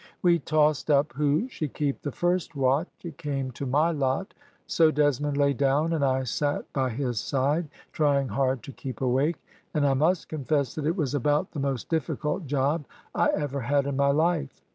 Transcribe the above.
"We tossed up who should keep the first watch. It came to my lot, so Desmond lay down, and I sat by his side, trying hard to keep awake, and I must confess that it was about the most difficult job I ever had in my life.